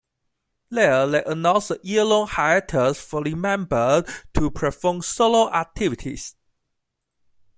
There they announced a yearlong hiatus for the members to perform solo activities.